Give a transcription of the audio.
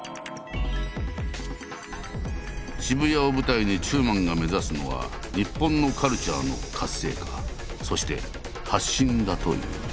渋谷を舞台に中馬が目指すのは日本のカルチャーの活性化そして発信だという。